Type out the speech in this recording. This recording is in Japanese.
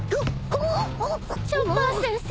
チョッパー先生？